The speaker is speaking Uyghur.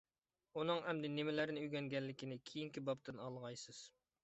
ئۇنىڭ ئەمدى نېمىلەرنى ئۆگەنگەنلىكىنى كېيىنكى بابتىن ئاڭلىغايسىز.